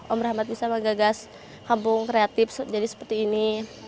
om rahmat bisa menggagas kampung kreatif jadi seperti ini